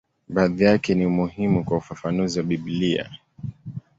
Baadhi yake ni muhimu kwa ufafanuzi wa Biblia.